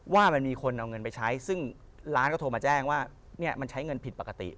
ว่ามันมีคนเอาเงินไปใช้ซึ่งร้านก็โทรมาแจ้งว่าเนี่ยมันใช้เงินผิดปกติ